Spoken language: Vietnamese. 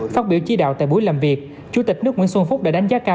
phát biểu chỉ đạo tại buổi làm việc chủ tịch nước nguyễn xuân phúc đã đánh giá cao